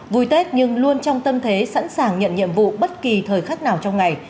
vui tết nhưng luôn trong tâm thế sẵn sàng nhận nhiệm vụ bất kỳ thời khắc nào trong ngày